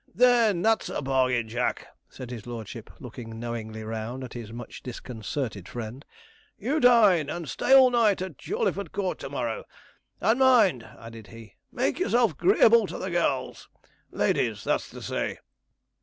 'Then, that's a bargain, Jack,' said his lordship, looking knowingly round at his much disconcerted friend; 'you dine and stay all night at Jawleyford Court to morrow! and mind,' added he, 'make yourself 'greeable to the girls ladies, that's to say.'